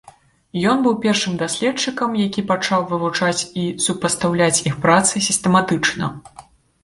Ён быў першым даследчыкам, які пачаў вывучаць і супастаўляць іх працы сістэматычна.